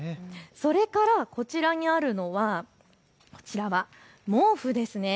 それからこちらにあるのは毛布です。